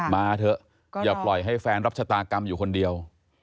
มาเถอะอย่าปล่อยให้แฟนรับชะตากรรมอยู่คนเดียว